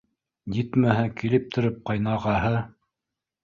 Етмәһә, килептереп — ҡайнағаһы